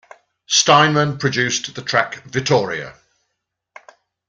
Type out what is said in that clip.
Steinman produced the track Vittoria!